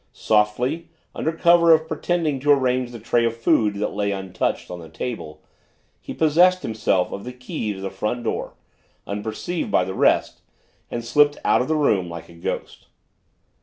Softly, under cover of pretending to arrange the tray of food that lay untouched on the table, he possessed himself of the key to the front door, unperceived by the rest, and slipped out of the room like a ghost.